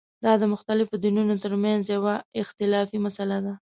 دا د مختلفو دینونو ترمنځه یوه اختلافي مسله ده.